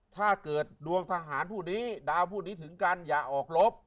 ถ้าเกิดดวงทหารผู้นี้ดาวผู้นี้ถึงกันอย่าออกรบ